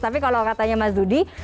tapi kalau katanya mas dudi